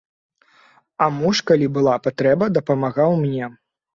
А муж, калі была патрэба, дапамагаў мне.